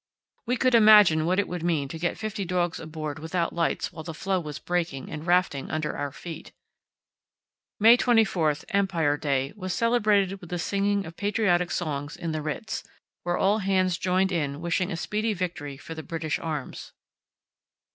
We could imagine what it would mean to get fifty dogs aboard without lights while the floe was breaking and rafting under our feet. May 24, Empire Day, was celebrated with the singing of patriotic songs in the Ritz, where all hands joined in wishing a speedy victory for the British arms.